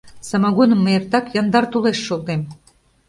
Самогоным мый эртак яндар тулеш шолтем.